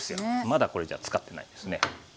まだこれじゃつかってないですね。